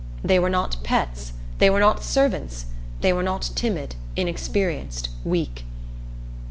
They were not pets. They were not servants. They were not timid, inexperienced, weak.